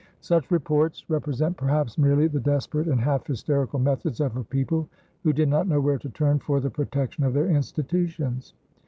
Such reports represent perhaps merely the desperate and half hysterical methods of a people who did not know where to turn for the protection of their institutions.